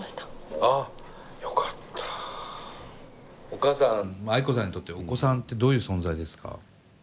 お母さんアイコさんにとってお子さんってどういう存在ですか？